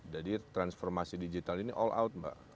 jadi transformasi digital ini all out mbak